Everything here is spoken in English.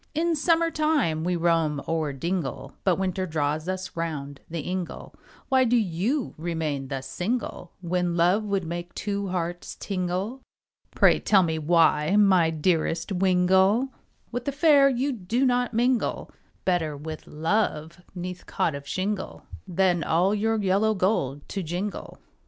In summer time we roam o'er dingle, But winter draws us round the ingle, Why do you remain thus single, When love would make two hearts tingle, Pray, tell me why my dearest wingle, With the fair you do not mingle, Better with love 'neath cot of shingle, Than all your yellow gold to jingle.